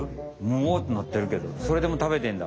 うおってなってるけどそれでも食べてんだ。